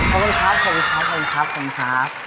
ขอบคุณครับขอบคุณครับขอบคุณครับ